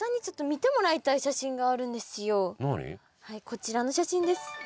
こちらの写真です。